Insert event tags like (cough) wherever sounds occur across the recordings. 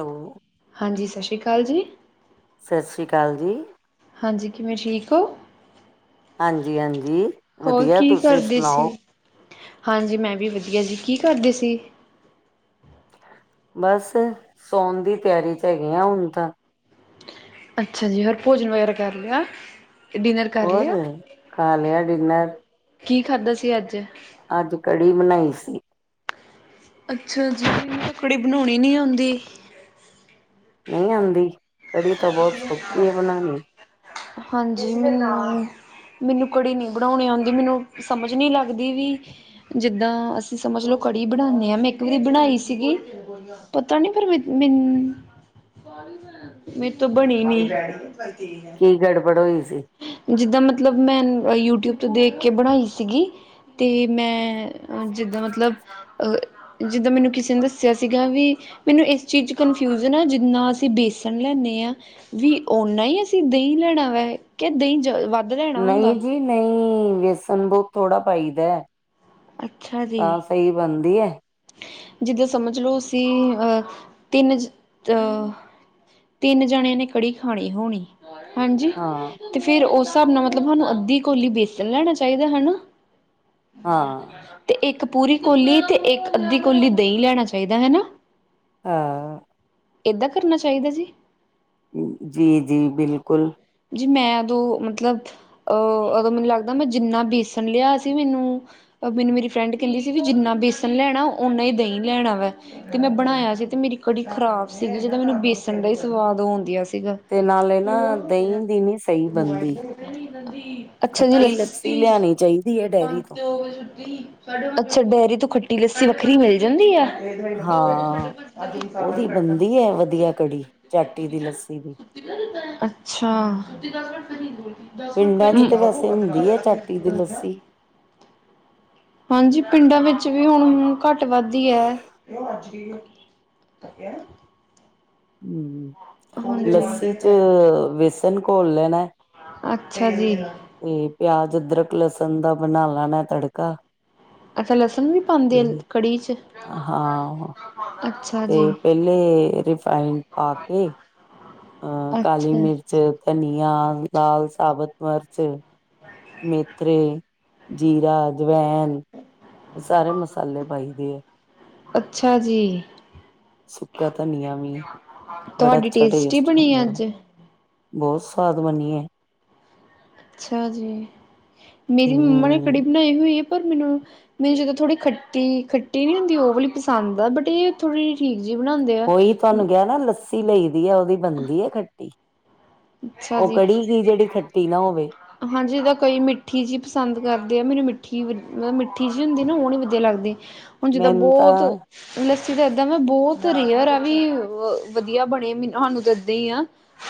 Hello ਹਾਂਜੀ, ਸਤਿ ਸ੍ਰੀ ਅਕਾਲ ਜੀ। ਸਤਿ ਸ਼੍ਰੀ ਅਕਾਲ ਜੀ। ਹਾਂਜੀ ਕਿਵੇਂ ਠੀਕ ਹੋ ਹਾਂਜੀ ਹਾਂਜੀ ਹੋਰ ਵਧੀਆ ਕੀ ਤੁਸੀਂ ਕਰਦੇ ਸੀ ਸੁਣਾਓ ਹਾਂਜੀ ਮੈਂ ਵੀ ਵਧੀਆ ਜੀ ਕੀ ਕਰਦੇ ਸੀ ਬਸ ਸੌਉਣ ਦੀ ਤਿਆਰੀ ਚ ਹੈਗੇ ਆ ਹੁਣ ਤਾਂ ਅੱਛਾ ਜੀ ਹੋਰ ਭੋਜਨ ਵਗੈਰਾ ਕਰ ਰਿਹਾ ਹੋਰ ਖਾ ਲਿਆ ਡਿਨਰ ਕੀ ਖਾਧਾ ਸੀ ਅੱਜ ਅੱਜ ਕੜੀ ਬਣਾਈ ਸੀ ਅੱਛਾ ਜੀ, ਕਕੜੀ ਬਣਾਉਣੀ ਨੀ ਆਉਂਦੀ? ਨਈਂ ਆਂਦੀ? ਕੜੀ ਤਾਂ ਬਹੁਤ ਸੌਖੀ ਏ ਬਨਾਣੀ। ਹਾਂਜੀ, ਮੈਨੂੰ ਮੈਨੂੰ ਕੜੀ ਨੀਂ ਬਣਾਉਣੀ ਆਉਂਦੀ, ਮੈਨੂੰ ਸਮਝ ਨੀਂ ਲੱਗਦੀ ਵੀ ਜਿੱਦਾਂ, ਅਸੀਂ ਸਮਝ ਲਓ ਕੜੀ ਬਣਾਨੇਂ ਆਂ, ਮੈਂ ਇੱਕ ਵਾਰੀ ਬਣਾਈ ਸੀਗੀ। ਪਤਾ ਨੀ ਫੇਰ, ਮੈਨ ਮੇ ਤੋਂ ਬਣੀ ਨੀ? ਕੀ ਗੜਬੜ ਹੋਈ ਸੀ। ਜਿੱਦਾਂ ਮਤਲਬ ਮੈਂ ਯੂਟਿਊਬ ਤੋਂ ਦੇਖ ਕੇ ਬਣਾਈ ਸੀਗੀ, ਤੇ ਮੈਂ ਅ ਜਿੱਦਾਂ ਮਤਲਬ, ਅਹ ਜਿੱਦਾਂ ਮੈਨੂੰ ਕਿਸੇ ਨੇ ਦੱਸਿਆ ਸੀਗਾ ਵੀ ਮੈਨੂੰ ਇਸ ਚੀਜ਼ ਚ ਕਨਫਿਊਜਨ ਆ, ਜਿੰਨਾ ਅਸੀਂ ਬੇਸਣ ਲੈਨੇਂ ਆਂ, ਵੀ ਓਨਾ ਹੀ ਅਸੀਂ, ਦਹ ਨਹੀਂ ਲੈਣਾ ਵੈ, ਕਿ ਦਹੀਂ ਵ ਨਹੀਂ ਜੀ ਨਹੀਂ, ਵੇਸਣ ਬਹੁਤ ਥੋੜ੍ਹਾ ਪਾਈਦੈ। ਅੱਛਾ ਜੀ। ਸਈ ਬਣਦੀ ਹੈ। ਜਿੱਦਾਂ ਸਮਝ ਲਓ ਅਸੀਂ, ਅਹ ਤਿੰਨ ਅਹ ਤਿੰਨ ਜਣਿਆਂ ਨੇ ਕੜੀ ਖਾਣੀ ਹੋਣੀ, ਹਾਂਜੀ ਹਾਂ ਤੇ ਫੇਰ ਉਸ ਹਿਸਾਬ ਨਾਲ ਮਤਲਬ ਸਾਨੂੰ, ਅੱਧੀ ਕੋਲੀ ਵੇਸਣ ਲੈਣਾ ਚਾਹੀਦੈ ਹਣਾਂ। ਹਾਂ ਅਤੇ ਇੱਕ ਪੂਰੀ ਕੋਲੀ ਅਤੇ, ਇੱਕ ਅੱਧੀ ਕੌਲੀ ਦਹੀਂ ਲੈਣਾ ਚਾਹੀਦੈ ਹੈਣਾ। ਹਾਂ। ਏਦਾਂ ਕਰਨਾ ਚਾਹੀਦਾ ਜੀ। ਜੀ, ਜੀ, ਬਿਲਕੁਲ। ਜੀ ਮੈਂ ਉਦੋਂ ਮਤਲਬ ਅਹ, ਦੋਂ ਮੈਨੂੰ ਲੱਗਦਾ ਮੈਂ ਜਿੰਨਾ ਬੇਸਣ ਲਿਆ ਸੀ ਮੈਨੂੰ ਮੈਨੂੰ ਮੇਰੀ ਫਰੈਂਡ ਕਹਿੰਦੀ ਸੀ ਵੀ, ਜਿੰਨਾ ਬੇਸਨ ਲੈਣਾ ਉਨਾ ਹੀ ਦਹੀਂ ਲੈਣਾਵੈ। ਤੇ ਮੈਂ ਬਣਾਇਆ ਸੀ ਤੇ ਮੇਰੀ ਕੜੀ ਖ਼ਰਾਬ ਸੀਗੀ, ਜਿੱਦਾਂ ਮੈਨੂੰ ਬੇਸਣ ਦਾ ਹੀ ਸਵਾਦ ਆਉਂਦੀਆਂ ਸੀਗਾ। ਤੇ ਨਾਲੇ ਨਾ ਦਹੀਂ ਦੀ ਨੀ ਸਈ ਬਨਦੀ, ਅੱਛਾ ਜੀ ਖੱਟੀ ਲੱਸੀ ਲਿਆਣੀ ਚਾਹੀਦੀ ਐ, ਡੇਅਰੀ ਤੋਂ। ਅੱਛਾ ਡੇਅਰੀ ਤੋਂ ਖੱਟੀ ਲੱਸੀ ਵੱਖਰੀ ਮਿਲ ਜਾਂਦੀ ਆ? ਅੱ ਹਾਂ ਤਿੰਨ ਸਾਲਾਂ ਉਹਦੀ ਵੀ ਕ ਬਣਦੀ ਹੈ ਵਧੀਆ ਕੜੀ ਚਾਟੀ ਦੀ ਲੱਸੀ ਦੀ (unintelligible) ਅੱਛਾ। ਪਿੰਡਾਂ ਚ ਤੇ ਵੈਸੇ ਹੁੰਦੀ ਹੈ ਚਾਟੀ ਦੀ ਲੱਸੀ (unintelligible) ਹਾਂਜੀ ਪਿੰਡਾਂ ਵਿੱਚ ਵੀ ਹੁਣ, ਘੱਟ-ਵੱਧ ਈ ਐ। ਤਿਆ (unintelligible) ਹਮ, ਲੱਸੀ ਹਾਂਜੀ ਚ ਵੇਸਣ ਘੋਲ ਲੈਣਾ। ਅੱਛਾ ਜੀ। ਤੇ ਪਿਆਜ, ਅਦਰਕ, ਲਸਨ ਦਾ ਬਣਾ ਲੈਣਾ ਤੜਕਾ। ਅੱਛਾ ਲਸਣ ਵੀ ਪਾਂਦੇ ਦੇ ਆ ਤੇ ਕੜੀ ਚ? ਹਾਂ ਅੱਛਾ ਤੇ ਜੀ ਪਹਿਲੇ ਰਿਫਾਈਨ ਪਾ ਕੇ ਅ, ਕਾਲੀ ਅੱਛਾ। ਮਿਰਚ, ਧਨੀਆ, ਲਾਲ ਸਾਬਤ ਮਿਰਚ। ਮੇਥਰੇ, ਜੀਰਾ, ਜਵੈਨ, ਇਹ ਸਾਰੇ ਮਸਾਲੇ ਪਾਈ ਦੇ ਐ। ਅੱਛਾ ਜੀ ਸੁੱਕਾ ਧਨੀਆ ਵੀ ਬੜਾ ਤੁਹਾਡੀ ਅੱਛਾ ਟੇਸਟੀ ਟੇਸਟ ਆ ਬਣੀ ਉਹਦਾ ਅੱਜ ਬਹੁਤ ਸਵਾਦ ਬਨੀਏ। ਅੱਛਾ ਜੀ, ਮੇਰੀ ਮੰਮਾ ਨੇ ਹੂੰ ਕੜੀ ਬਣਾਈ ਹੋਈ ਹੈ। ਪਰ ਮੈਨੂੰ, ਮੈਨੂੰ ਜਦੋਂ ਥੋੜ੍ਹੀ ਖੱਟੀ, ਖੱਟੀ ਨੀ ਹੁੰਦੀ ਉਹ ਵਾਲ਼ੀ ਪਸੰਦ ਆ। ਬਟ ਇਹ ਥੋੜੀ ਜਿਹੀ ਠੀਕ ਜੀ ਬਣਾਉਂਦੇ ਆ ਤਾਨੂ ਕਿਹਾ ਨਾ, ਲੱਸੀ ਲਈ ਦੀ ਐ, ਉਹਦੀ ਬਨਦੀ ਐ ਖੱਟੀ। ਅੱਛਾ ਉਹ ਜੀ ਕੜੀ ਕੀ, ਜਿਹੜੀ ਖੱਟੀ ਨਾ ਹੋਵੇ। ਹਾਂਜੀ ਤਾਂ ਕੋਈ ਮਿੱਠੀ ਜਿਹੀ ਪਸੰਦ ਕਰਦੇ ਆ, ਮੈਨੂੰ ਮਿੱਠੀ ਮਤਲਬ ਮਿੱਠੀ ਜਿਹੀ ਹੁੰਦੀ ਨਾ, ਉਹ ਨੀ ਵਧੀਆ ਲੱਗਦੀ ਹੁਣ ਜਿੱਦਾਂ ਮੈਨੂੰ ਬਹੁਤ ਤਾਂ ਲੱਸੀ ਤਾਂ ਇਦਾਂ ਮੈਂ ਬਹੁਤ ਰੇਅਰ ਆ ਵੀ ਵਧੀਆ ਬਣੇ ਮ ਸਾਨੂੰ ਦਦੀ ਆ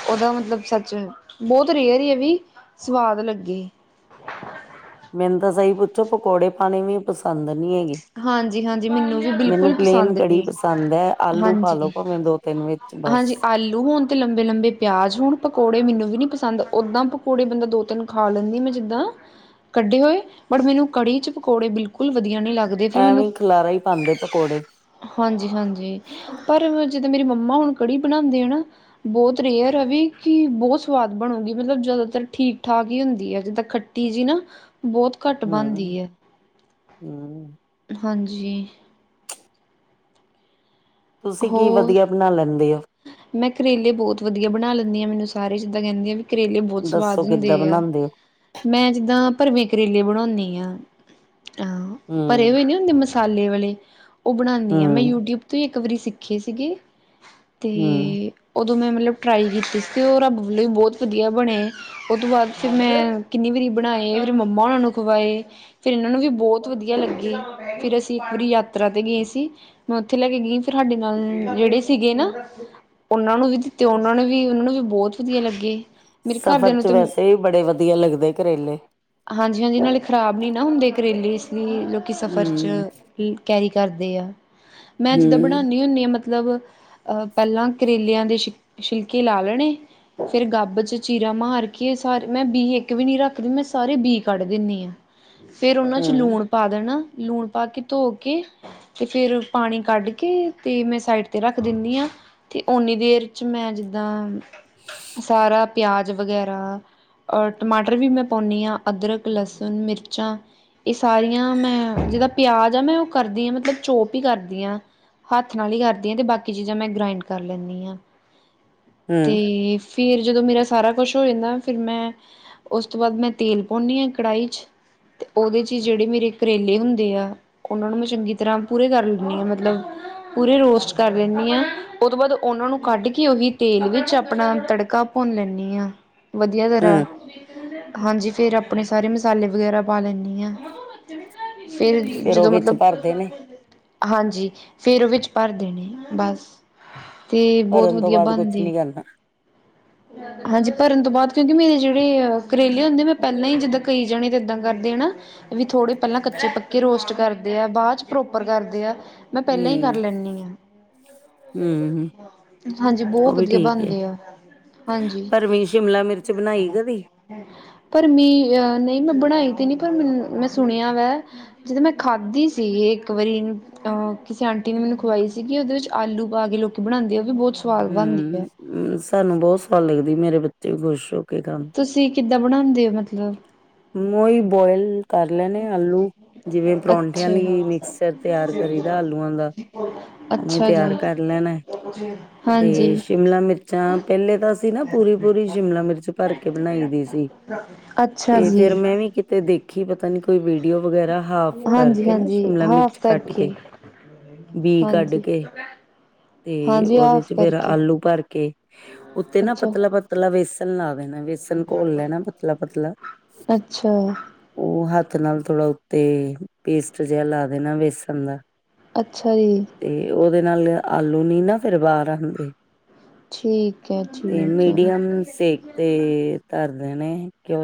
ਉਹਦਾ ਮਤਲਬ ਸੱਚ ਬਹੁਤ ਰੇਅਰ ਹੀ ਹੈ ਵੀ ਸਵਾਦ ਲੱਗੇ ਮੈਨੂੰ ਤਾਂ ਸਹੀ ਪੁੱਛੋ ਪਕੌੜੇ ਪਾਣੇ ਵੀ ਪਸੰਦ ਨਹੀਂ ਹੈਗੇ। ਹਾਂਜੀ ਹਾਂਜੀ ਮੈਨੂੰ ਵੀ ਮੈਨੂੰ ਬਿਲਕੁਲ ਪਲੇਨ ਪਸੰਦ ਕੜੀ ਨਹੀਂ ਪਸੰਦ ਹੈ ਆਲੂ ਪਾਲੋ ਹਾਂਜੀ ਭਾਵੇਂ ਦੋ ਤਿੰਨ ਵਿੱਚ ਬਸ ਹਾਂਜੀ ਆਲੂ ਹੋਨ ਤੇ ਲੰਬੇ ਲੰਬੇ ਪਿਆਜ ਹੁਣ ਪਕੌੜੇ ਮੈਨੂੰ ਵੀ ਨੀ ਪਸੰਦ ਓਦਾਂ ਪਕੌੜੇ ਬੰਦਾ ਦੋ ਤਿੰਨ ਖਾ ਲੈਂਦੀ ਮੈਂ ਜਿੱਦਾਂ ਕੱਢੇ ਹੋਏ ਬਟ ਮੈਨੂੰ ਕੜੀ ਚ ਪਕੌੜੇ ਬਿਲਕੁਲ ਵਧੀਆ ਨਹੀਂ ਲੱਗਦੇ ਫਿਰ ਐਵੇਂ ਖਲਾਰਾ ਹੀ ਪਾਉਦੇ ਪਕੌੜੇ ਹਾਂਜੀ ਹਾਂਜੀ ਪਰ ਜਿੱਦਾਂ ਮੇਰੀ ਮੰਮਾ ਹੁਣ ਕੜੀ ਬਣਾਉਂਦੇ ਆ ਨਾ ਬਹੁਤ ਰੇਅਰ ਹੈ ਰਵੀ ਕਿ ਬਹੁਤ ਸਵਾਦ ਬਣੂਗੀ ਮਤਲਬ ਜਿਆਦਾਤਰ ਠੀਕ ਠਾਕ ਹੀ ਹੁੰਦੀ ਹੈ ਜਿੱਦਾਂ ਖੱਟ ਤੀਜੀ ਨਾ ਬਹੁਤ ਘੱਟ ਹਮ ਬਣਦੀ ਹੈ ਹਮ ਹਾਂਜੀ ਤੁਸੀਂ ਕੀ ਹੋਰ ਵਧੀਆ ਬਣਾ ਲੈਂਦੇ ਹੋ ਮੈਂ ਕਰੇਲੇ ਬਹੁਤ ਵਧੀਆ ਬਣਾ ਲੈਂਦੀ ਹਾਂ ਮੈਨੂੰ ਸਾਰੇ ਜਿੱਦਾਂ ਕਹਿੰਦੀ ਆ ਵੀ ਕਰੇਲੇ ਬਹੁਤ ਸਵਾਦ ਦੱਸੋ ਹੁੰਦੇ ਕਿੱਦਾਂ ਆ ਬਣਾਂਦੇ ਹੋ ਮੈਂ ਜਿੱਦਾਂ ਭਰਵੇਂ ਕਰੇਲੇ ਬਣਾਉਂਦੀ ਹਾਂ ਅਹ ਭਰੇ ਹੂੰ ਹੋਏ ਨੇ ਮਸਾਲੇ ਵਾਲੇ ਉਹ ਬਣਾਉਂਦੀ ਆ ਮੈਂ ਹੂੰ ਯੂਟਿਊਬ ਤੋਂ ਹੀ ਇੱਕ ਵਾਰੀ ਸਿੱਖੇ ਸੀਗੇ ਹੂੰ ਅਤੇ ਉਦੋਂ ਮੈਂ ਮਤਲਬ ਟਰਾਈ ਕੀਤੀ ਸੀ ਉਹ ਰੱਬ ਵੱਲੋਂ ਵੀ ਬਹੁਤ ਵਧੀਆ ਬਣੇ ਉਹ ਤੋਂ ਬਾਅਦ ਫਿਰ ਮੈਂ ਕਿੰਨੀ ਵਾਰੀ ਬਣਾਏ ਫਿਰ ਮੰਮਾ ਉਹਨਾਂ ਨੂੰ ਖਵਾਏ ਫਿਰ ਇਹਨਾਂ ਨੂੰ ਵੀ ਬਹੁਤ ਵਧੀਆ ਲੱਗੀ ਫਿਰ ਅਸੀਂ ਇੱਕ ਵਾਰੀ ਯਾਤਰਾ ਤੇ ਗਏ ਸੀ ਮੈਂ ਉੱਥੇ ਲੈ ਕੇ ਗਈ ਫਿਰ ਸਾਡੇ ਨਾਲ ਜਿਹੜੇ ਸੀਗੇ ਨਾ ਉਹਨਾਂ ਨੂੰ ਵੀ ਦਿੱਤੇ ਉਹਨਾਂ ਨੂੰ ਵੀ ਉਹਨਾਂ ਨੂੰ ਵੀ ਬਹੁਤ ਵਧੀਆ ਲੱਗੇ ਮੇਰੇ ਸਫ਼ਰ ਘਰਦਿਆਂ ਨੂੰ 'ਚ ਤੇ ਵੈਸੇ ਵੀ ਬੜੇ ਵਧੀਆ ਲੱਗਦੇ ਕਰੇਲੇ ਹਾਂਜੀ ਹਾਂਜੀ ਨਾਲੇ ਖ਼ਰਾਬ ਨੀ ਨਾ ਹੁੰਦੇ ਕਰੇਲੇ ਇਸ ਲਈ ਲੋਕ ਕਿ ਸਫ਼ਰ ਚ ਹੂੰ। ਕੈਰੀ ਕਰਦੇ ਆ ਮੈਂ ਜਿੱਦਾਂ ਹੂੰ, ਬਣਾਦੀ ਹੁੰਦੀ ਹਾਂ ਮਤਲਬ ਅਹ ਪਹਿਲਾਂ ਕਰੇਲਿਆਂ ਦੇ ਸ਼ ਛਿਲਕੇ ਲਾ ਲੈਣੇ ਫ਼ਿਰ ਗੱਬ ਚ ਚੀਰਾ ਮਾਰ ਕੇ ਸਾਰੇ ਮੈਂ ਬੀ ਇੱਕ ਵੀ ਨਹੀਂ ਰੱਖਦੀ ਮੈਂ ਸਾਰੇ ਬੀ ਕੱਢ ਦਿੰਦੀ ਆਾਂ ਫੇਰ ਉਹਨਾਂ ਚ ਹੂੰ, ਲੂਣ ਪਾ ਦੇਣਾ ਲੂਣ ਪਾ ਕੇ ਧੋ ਕੇ ਤੇ ਫੇਿਰ ਪਾਣੀ ਕੱਢ ਤੇ ਮੈਂ ਸਾਈਡ ਤੇ ਰੱਖ ਦਿੰਦੀ ਹਾਂ ਤੇ ਉਓਨੀ ਦੇਰ ਚ ਮੈਂ ਜਿੱਦਾਂ ਸਾਰਾ ਪਿਆਜ ਵਗੈਰਾ ਔਰ ਟਮਾਟਰ ਵੀ ਮੈਂ ਪਾਉਂਦੀ ਹਾਂ ਅਦਰਕ ਲਸਣ ਮਿਰਚਾਂ ਇਹ ਸਾਰੀਆਂ ਮੈਂ ਜਿਹਦਾ ਪਿਆਜ਼ ਆ ਮੈਂ ਉਹ ਕਰਦੀ ਹਾਂ ਮਤਲਬ ਚੋਪ ਹੀ ਕਰਦੀ ਹਾਂ ਹੱਥ ਨਾਲ ਹੀ ਕਰਦੀ ਹ ਤੇ ਬਾਕੀ ਚੀਜ਼ਾਂ ਮੈਂ ਗ੍ਰਾਇੰਡ ਕਰ ਲੈਂਨੀ ਹਾਂ ਤੇ ਹੂੰ, ਫਿਰ ਜਦੋਂ ਮੇਰਾ ਸਾਰਾ ਕੁਛ ਹੋ ਜਾਂਦਾ ਫਿਰ ਮੈਂ ਉਸ ਤੋਂ ਬਾਅਦ ਮੈਂ ਤੇਲ ਪਾਉਂਦੀ ਹਾਂ ਕੜਾਹੀ ਚ ਅਤੇ ਉਹਦੇ 'ਚ ਜਿਹੜੇ ਮੇਰੇ ਕਰੇਲੇ ਹੁੰਦੇ ਆ ਹੁਣ ਉਹ ਨੂੰ ਮੈਂ ਚੰਗੀ ਤਰ੍ਹਾਂ ਪੂਰੇ ਕਰ ਲੈਂਦੀ ਹਾਂ ਮਤਲਬ ਪੂਰੇ ਰੋਸਟ ਕਰ ਲੈਂਦੀ ਹਾਂ ਉਹ ਤੋਂ ਬਾਅਦ ਉਹਨਾਂ ਨੂੰ ਕੱਢ ਕੇ ਉਹੀ ਤੇਲ ਵਿੱਚ ਆਪਣਾ ਤੜਕਾ ਭੁੰਨ ਲੈਂਦੀ ਹਾਂ ਵਧੀਆ ਤਰਾਂ, ਹੂੰ ਹਾਂਜੀ ਫਿਰ ਆਪਣੇ ਸਾਰੇ ਮਸਾਲੇ ਵਗੈਰਾ ਪਾ ਲੈਂਨੀ ਆਂ। ਫੇਿਰ ਫੇਰ ਉਹ ਜਦੋਂ ਵਿੱਚ ਮਤਲਬ ਭਰਦੇ ਨੇ ਹਾਂਜੀ ਫੇਰ ਉਹ ਵਿੱਚ ਭਰਦੇ ਨੇ ਬਸ ਤੇ ਬਹੁਤ ਭਰਨ ਤੋਂ ਵਧੀਆ ਬਾਅਦ ਕੁਛ ਬਣਦੇ ਨੀ ਕਰਨਾ। ਹਾਂਜੀ ਭਰਨ ਤੋਂ ਬਾਅਦ ਕਿਉਂਕਿ ਮੇਰੇ ਜਿਹੜੇ ਕਰੇਲੇ ਹੁੰਦੇ ਮੈਂ ਪਹਿਲਾਂ ਹੀ ਜਿੱਦਾਂ ਕਈ ਜਾਣੇ ਤੇ ਇਦਾਂ ਕਰਦੇ ਨਾ ਵੀ ਥੋੜ੍ਹੇ ਪਹਿਲਾਂ ਕੱਚੇ ਪੱਕੇ ਰੋਸਟ ਕਰਦੇ ਆ ਬਾਅਦ ਚ ਪ੍ਰੋਪਰ ਕਰਦੇ ਆ ਮੈਂ ਪਹਿਲਾਂ ਹੀ ਹੂੰ। ਕਰ ਲੈਂਦੀ ਹਾਂ ਹੂੰ, ਹਾਂਜੀ ਬਹੁਤ ਵਧੀਆ ਬਣਦੇ ਆ ਹਾਂਜੀ ਪਰਵੀਂ ਸ਼ਿਮਲਾ ਮਿਰਚ ਬਣਾਈ ਕਦੀ ਪਰ ਮੀ ਅਹ ਨਹੀਂ ਮੈਂ ਬਣਾਈ ਤੇ ਨੀ ਪਰ ਮੈਨੂੰ ਮੈਂ ਸੁਣਿਆ ਵਾ ਜਦੋਂ ਮੈਂ ਖਾਧੀ ਸੀ ਏ ਇੱਕ ਵਾਰੀ। ਅਹ ਕਿਸੇ ਆਂਟੀ ਨੇ ਮੈਨੂੰ ਖਵਾਈ ਸੀਗੀ ਉਹਦੇ ਵਿੱਚ ਆਲੂ ਪਾ ਕੇ ਲੋਕ ਬਣਾਉਂਦੇ ਆ ਉਹ ਵੀ ਬੋਤ ਹੂੰ, ਸਾਨੂੰ ਬੋਤ ਸਵਾਦ ਲੱਗਦੀ, ਮੇਰੇ ਬੱਚੇ ਵੀ ਖ਼ੁਸ਼ ਹੋ ਕੇ ਖਾਂਦੇ। ਤੁਸੀਂ ਕਿੱਦਾਂ ਬਣਾਂਦੇ ਓ ਮਤਲਬ? ਮਈ ਬੋਇਲ ਕਰ ਲੈਨੇ ਆ ਆਲੂ। ਜਿਵੇਂ ਪਰੌਂਠਿਆਂ ਲਈ ਅੱਛਾ ਮਿਕਸਰ ਤਿਆਰ ਕਰੀ ਦਾ ਆਲੂਆਂ ਦਾ। ਉਵੇਂ ਅੱਛਾ ਜੀ ਤਿਆਰ ਕਰ ਲੈਨਾ ਐ। (unintelligible) ਤੇ ਸ਼ਿਮਲਾ ਮਿਰਚਾਂ, ਪਹਿਲੇ ਤਾਂ ਅਸੀਂ ਨਾ ਪੂਰੀ ਪੂਰੀ ਸ਼ਿਮਲਾ ਮਿਰਚ ਭਰ ਕੇ ਬਨਾਈ ਦੀ ਸੀ। ਅੱਛ ਤੇ ਫੇਰ ਮੈਂ ਵੀ ਕਿਤੇ ਦੇਖ ਖੀ ਪਤਾ ਨੀ ਕੋਈ ਵੀਡੀਓ ਵਗੈਰਾ ਹਾਫ ਕਰਕੇ ਨਾ, ਹਾਂਜੀ-ਹਾਂਜੀ ਸ਼ਿਮਲਾ ਮਿਰਚ ਹਾਫ ਕੱਟ ਕਰਕੇ ਕੇ। ਬੀ ਕੱਢ ਹਾਂਜੀ। ਕੇ ਤੇ ਹਾਂਜੀ ਉਹਦੇ ਹਾਫ ਚ ਫੇਰ ਕਰਕੇ, ਆਲੂ ਭਰ ਕੇ, ਉੱਤੇ ਨਾ ਅੱਛਾ। ਪਤਲਾ ਪਤ ਪਤਲਾ ਵੇਸਨ ਲਾ ਦੇਣਾ, ਵੇਸਨ ਘੋਲ ਲੈਣਾ ਪਤਲਾ-ਪਤਲਾ। ਅੱਛਾ। ਉਹ ਹੱਥ ਨਾਲ ਥੋੜਾ ਉੱਤੇ ਪੇਸਟ ਜਿਹਾ ਲਾ ਦੇਨਾ ਵੇਸਨ ਦਾ। ਅੱਛਾ ਜੀ। ਤੇ ਉਹਦੇ ਨਾਲ ਆਲੂ ਨੀ ਨਾ ਫੇਰ ਬਾਰ ਆਂਦੇ। ਠੀਕ ਐ, ਤੇ ਠੀਕ ਐ। ਮੀਡੀਅਮ ਸੇਕ ਤੇ ਕਰਦੇ ਨੇ ਕਿ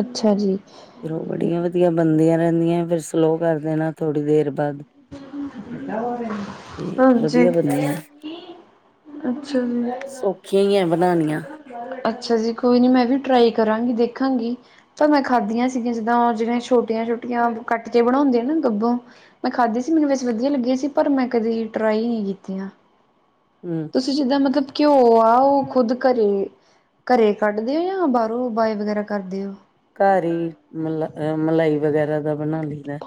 ਅੱਛਾ ਜੀ। ਫੇਰ ਉਹ ਬੜੀਆਂ ਵਧੀਆ ਬਨਦੀਆਂ ਰਹਿੰਦੀਆਂ ਫੇਰ ਸਲੋ ਕਰ ਦੇਣਾ ਥੋੜ੍ਹੀ ਦੇਰ ਬਾਦ। ਤੇ ਹਾਂਜੀ, ਵਧੀਆ ਬੰਦਿਆਂ। ਅੱਛਾ ਜੀ। ਸੌਖੀਆਂ ਈ ਐ ਬਨਾਨੀਆਂ। ਅੱਛਾ ਜੀ, ਕੋਈ ਨੀ ਮੈਂ ਵੀ ਟਰਾਈ ਕਰਾਂਗੀ, ਦੇਖਾਂਗੀ। ਚ ਮੈਂ ਖਾਦੀਆਂ ਸੀਗੀਆਂ ਜਿੱਦਾਂ ਜਿਹੜੀਆਂ ਛੋਟੀਆਂ-ਛੋਟੀਆਂ ਕੱਟ ਕੇ ਬਣਾਉਂਦੀਆਂ ਨਾ ਗੱਬੋ ਮੈਂ ਖਾਧੀ ਸੀ ਮੈਨੂੰ ਬਸ ਵਧੀਆ ਲੱਗੀ ਸੀ ਪਰ ਮੈਂ ਕਦੀ ਟਰਾਈ ਨੀ ਕੀਤੀਆਂ। ਹਮ ਤੁਸੀਂ ਜਿੱਦਾਂ ਮਤਲਬ ਘਿਓ ਆ ਉਹ ਖੁਦ ਘਰੇ, ਘਰੇ ਕੱਢਦੇ ਆਂ, ਬਾਹਰੋਂ ਬਾਏ ਵਗੈਰਾ ਕਰਦੇ ਓ? ਘਰ ਹੀ, ਮਲਾ ਅ ਮਲਾਈ ਵਗੈਰਾ ਦਾ ਬਨਾ ਲਈਦਾ।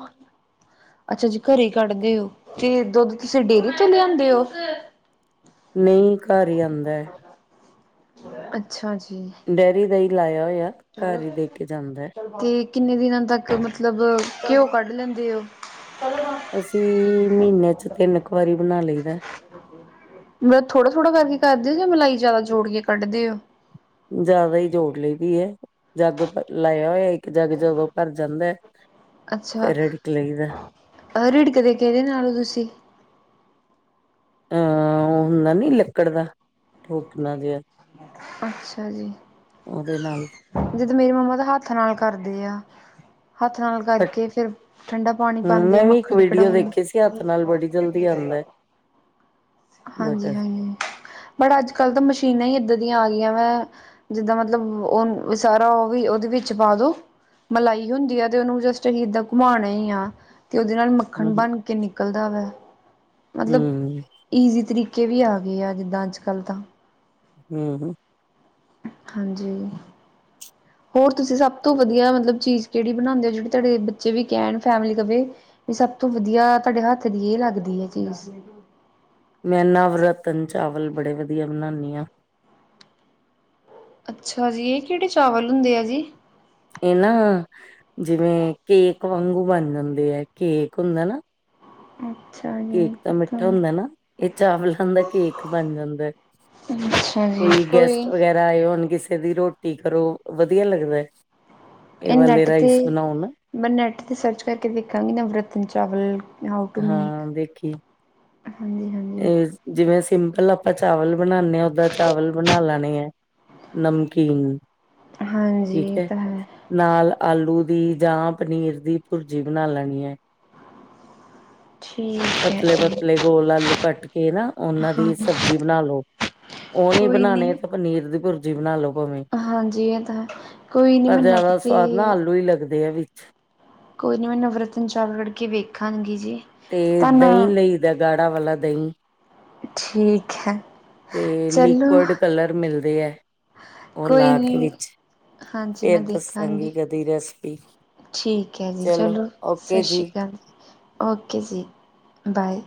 ਅੱਛਾ ਜੀ ਘਰੇ ਕੱਢਦੇ ਹੋ ਤੇ ਦੁੱਧ ਤੁਸੀਂ ਡੇਅਰੀ ਤੋਂ ਲਿਆਂਦੇ ਹੋ? ਨਹੀਂ ਘਰ ਹੀ ਆਂਦਾ ਐ। ਅੱਛਾ ਜੀ। ਡੇਅਰੀ ਦਾ ਹੀ ਲਾਇਆ ਹੋਇਆ, ਘਰ ਹੀ ਦੇ ਕੇ ਜਾਂਦਾ ਐ। ਤੇ ਕਿੰਨੇ ਦਿਨਾਂ ਤੱਕ ਮਤਲਬ ਘਿਓ ਕੱਢ ਲੈਂਦੇ ਓ? ਅਸੀਂ ਮਹੀਨੇ ਚ ਤਿੰਨ ਕੁ ਵਾਰੀ ਬਨਾ ਲਈਦਾ। ਥੋੜਾ ਥੋੜਾ ਕਰਕੇ ਕਰਦੇ ਹੋ ਜਾਂ ਮਲਾਈ ਜ਼ਿਆਦਾ ਜੋੜ ਕੇ ਕੱਢਦੇ ਹੋ ਜ਼ਿਆਦਾ ਹੀ ਜੋੜ ਲੈਂਦੀ ਹੈ ਜੱਗ ਲਾਇਆ ਹੋਇਆ ਇੱਕ ਜੱਗ ਜਦੋਂ ਭਰ ਜਾਂਦਾ, ਅੱਛਾ ਪਰੇ ਲਈਦਾ ਰਿੜਕਦੇ ਕਿਹਦੇ ਨਾਲੋਂ ਤੁਸੀਂ ਅਹ ਉਹ ਹੁੰਦਾ ਨੀ ਲੱਕੜ ਦਾ ਠੋਕਣਾ ਜਿਹਾ ਅੱਛਾ ਜੀ, ਉਹਦੇ ਨਾਲ ਜਦੋਂ ਮੇਰੀ ਮੰਮਾ ਦਾ ਹੱਥ ਨਾਲ ਕਰਦੇ ਆ। ਹੱਥ ਨਾਲ ਕਰਕੇ, ਫੇਰ ਠੰਡਾ ਪਾਣੀ ਹੂੰ ਪਾਂਦੇ ਆ ਮੈਂ ਵੀ ਇੱਕ ਮੱਖਣ ਵੀਡੀਓ ਕਢਾਉਣ ਦੇਖੀ ਸੀ ਹੱਥ ਨਾਲ ਬੜੀ ਜਲਦੀ ਆਂਦਾ ਬਟਰ ਹਾਂਜੀ-ਹਾਂਜੀ, ਬਟ ਅੱਜ-ਕੱਲ੍ਹ ਤਾਂ ਮਸ਼ੀਨਾਂ ਹੀ ਇੱਦਾਂ ਦੀਆਂ ਆ ਗਈਆਂ ਵਾ ਜਿੱਦਾਂ ਮਤਲਬ, ਓ ਸਾਰਾ ਓ, ਉਹਦੇ ਵਿੱਚ ਪਾ ਦੋ। ਮਲਾਈ ਹੁੰਦੀ ਆ ਤੇ ਉਹਨੂੰ ਜਸਟ ਈਦਾਂ ਘੁਮਾਨਾ ਈ ਆ ਤੇ ਉਹਦੇ ਨਾਲ ਮੱਖ ਹੂੰ ਖਨ ਬਨ ਕੇ ਨਿਕਲਦਾ ਵਾ। ਹੂੰ। ਈਜ਼ੀ ਤਰੀਕੇ ਵੀ ਆ ਗਏ ਆ ਜਿੱਦਾਂ ਅੱਜ ਕੱਲ੍ਹ ਤਾਂ। ਹੂੰ-ਹੂੰ। ਹਾਂਜੀ। ਹੋਰ ਤੁਸੀਂ ਸਭ ਤੋਂ ਵਧੀਆ ਮਤਲਬ ਚੀਜ਼ ਕਿਹੜੀ ਬਣਾਦੇ ਓ ਜਿਹੜੀ ਤੁਹਾਡੇ ਬੱਚੇ ਵੀ ਕਹਿਨ ਫੈਮਲੀ ਕਵੇ ਵੀ ਸਭ ਤੋਂ ਵਧੀਆ ਤੁਹਾਡੇ ਹੱਥ ਦੀ ਇਹ ਲੱਗਦੀ ਹੈ ਚੀਜ਼ ਮੈਂ ਨਾਵ ਰਤਨ ਚਾਵਲ ਬੜੇ ਵਧੀਆ ਬਣਾਦੀ ਹਾਂ। ਅੱਛਾ ਜੀ ਇਹ ਕਿਹੜੇ ਚਾਵਲ ਹੁੰਦੇ ਆ ਜੀ, ਇਹ ਨਾ ਜਿਵੇਂ ਕੇਕ ਵਾਂਗੂ ਬਣ ਜਾਂਦੇ ਹੈ ਕੇਕ ਹੁੰਦਾ ਨਾ ਅੱਛਾ ਜੀ ਕੇਕ ਤਾਂ ਪਤਾ ਮਿੱਠਾ ਨੀ ਹੁੰਦਾ ਨਾ ਇਹ ਚਾਵਲਾਂ ਦਾ ਕੇਕ ਬਣ ਜਾਂਦਾ। ਅੱਛਾ ਜੀ ਕੋਈ ਹੁਣ ਕਿਸੇ ਦੀ ਰੋਟੀ ਕਰੋ ਵਧੀਆ ਲੱਗਦਾ ਹੈ ਇਹ ਨੈੱਟ ਤੇ ਮੈਂ ਨੈੱਟ ਤੇ ਸਰਚ ਕਰਕੇ ਦੇਖਾਂਗੀ ਨਵ ਰਤਨ ਚਾਵਲ ਹਾ ਟੂ ਮੇ ਹਾਂ ਦੇਖੀ ਹਾਂਜੀ ਹਾਂਜੀ ਜਿਵੇਂ ਸਿੰਪਲ ਆਪਾਂ ਚਾਵਲ ਬਣਾਉਾਨਦੇ ਹ ਓਦਾਂ ਚਾਵਲ ਬਣਾ ਲੈਣੇ ਹੈ। ਨਮਕੀਨ, ਹਾਂਜੀ ਇਹ ਤਾਂ ਹੈ ਨਾਲ ਆਲੂ ਦੀ ਜਾਂ ਪਨੀਰ ਦੀ ਭੁਰਜੀ ਬਣਾ ਲੈਣੀ ਹੈ ਠੀਕ ਹੈ ਪਤਲੇ ਜੀ ਪਤਲੇ ਗੋਲ ਆਲੂ ਕੇ ਨਾ ਉਹਨਾਂ ਹਾਂ ਦੀ ਸਬਜ਼ੀ ਬਣਾ ਲੋ ਉਹ ਨੀ ਕੋਈ ਬਣਾਣੇ ਨਹੀਂ ਪਨੀਰ ਦੀ ਭੁਰਜੀ ਬਣਾਲ ਲੋ ਭਾਵੇਂ ਹਾਂਜੀ ਇਹ ਤਾਂ ਕੋਈ ਨਹੀਂ ਪਰ ਮੈਂ ਨੈੱਟ ਜ਼ਿਆਦਾ 'ਤੇ ਸਵਾਦ ਨਾ ਆਲੂ ਹੀ ਲੱਗਦੇ ਆ ਵਿੱਚ ਕੋਈ ਨੀ ਮੈਂ ਨਵਰਤਨ ਚਾਵੱਲ ਕਢ ਕੇ ਵੇਖਣਗੀ ਜੀ ਤੇ ਧੰਨਾ ਦਹੀਂ ਲਈ ਦਾ ਗਾੜਾ ਵਾਲਾ ਦਹੀਂ ਠੀਕ ਹੈ ਤੇ ਚਲੋ ਲਿਕੁਡ ਕਲਰ ਮਿਲਦੇ ਹੈ ਉਹ ਕੋਈ ਲਾ ਕੇ ਨਹੀਂ ਵਿੱਚ ਹਾਂਜੀ ਫਿਰ ਮੈਂ ਦੱਸਾਂਗੀ ਦੇਖਾਂਗੀ ਕਦੀ ਰੈਸਪੀ ਠੀਕ ਹੈ ਜੀ ਚਲੋ ਸਤਿ ਸ਼੍ਰੀ ਅਕਾਲ ਜੀ ਓਕੇ ਜੀ ਬਾਏ